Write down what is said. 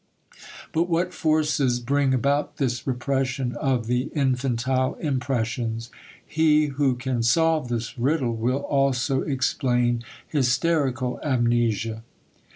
But what forces bring about this repression of the infantile impressions? He who can solve this riddle will also explain hysterical amnesia.